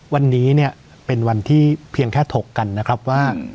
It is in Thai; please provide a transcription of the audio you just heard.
วันนี้เนี่ยเป็นวันที่เพียงแค่ถกกันนะครับว่า